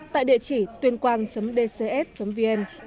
tại địa chỉ tuyênquang dcs vn